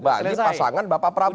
jadi pasangan bapak prabowo